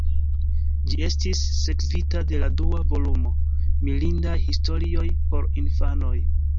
Ĝi estis sekvita de la dua volumo, "Mirindaj historioj por infanoj".